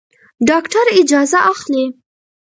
ډاکټر اجازه اخلي.